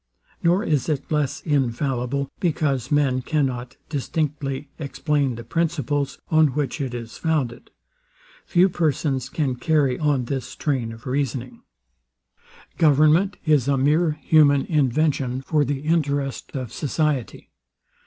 Nor is it less infallible, because men cannot distinctly explain the principles, on which it is founded. Few persons can carry on this train of reasoning: Government is a mere human invention for the interest of society.